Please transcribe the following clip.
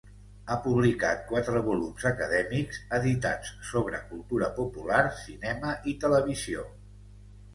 Ha publicat quatre volums acadèmics editats sobre cultura popular, cinema i televisió.